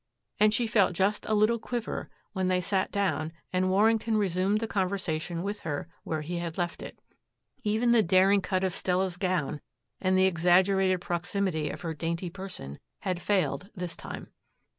And she felt just a little quiver when they sat down and Warrington resumed the conversation with her where he had left it. Even the daring cut of Stella's gown and the exaggerated proximity of her dainty person had failed this time.